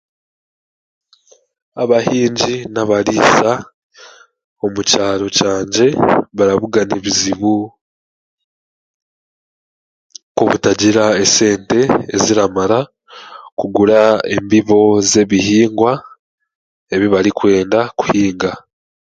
Abahingi n'abariisa omu kyaro kyangye barabugana ebizibu nk'obutagira esente eziramara, kugura embibo z'ebihingwa, ebi barikwenda kuhinga.